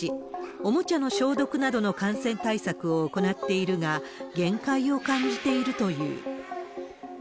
おもちゃの消毒などの感染対策を行っているが、限界を感じているという。